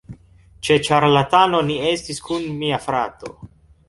Ĉe ĉarlatano ni estis kun mia frato